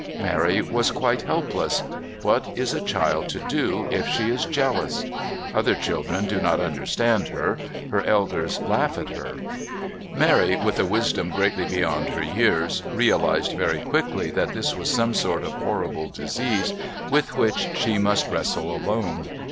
Mary was quite helpless. What is a child to do if she is jealous? Other children do not understand her, her elders laugh at her. Mary, with a wisdom greatly beyond her years, realised very quickly that this was some sort of horrible disease, with which she must wrestle alone.